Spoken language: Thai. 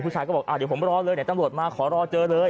ผู้ชายก็บอกอ่าเดี๋ยวผมล้อนะตำรวจจะมาขอล้อเจ้าเลย